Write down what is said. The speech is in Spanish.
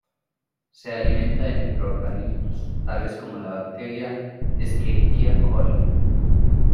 Se alimenta de microorganismos, tales como la bacteria "Escherichia coli".